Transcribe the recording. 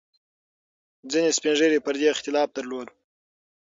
ځینې سپین ږیري پر دې اختلاف درلود.